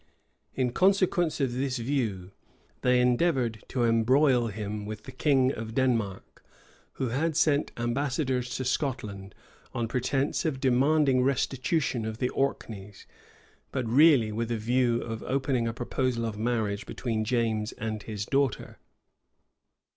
In consequence of this view, they endeavored to embroil him with the king of Denmark, who had sent ambassadors to Scotland on pretence of demanding restitution of the Orkneys, but really with a view of opening a proposal of marriage between James and his daughter.